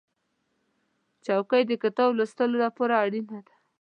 چوکۍ د کتاب لوستلو لپاره اسانه ده.